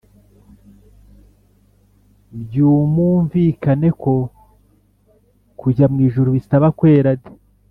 Byumumvikane ko kujya mwijuru bisaba kwera de.